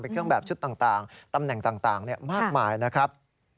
เครื่องแบบชุดต่างตำแหน่งต่างมากมายนะครับ